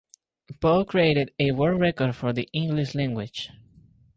Poe created a world record for the English language.